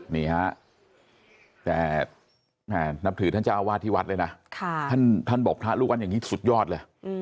นับถือท่านเจ้าอาวาสที่วัดเลยนะท่านบอกลูกวัดอย่างนี้สุดยอดเลย